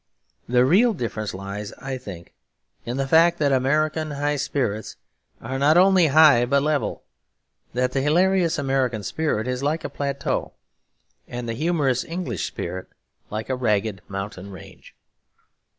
The real difference lies, I think, in the fact that American high spirits are not only high but level; that the hilarious American spirit is like a plateau, and the humorous English spirit like a ragged mountain range.